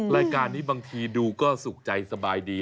รายการนี้บางทีดูก็สุขใจสบายดี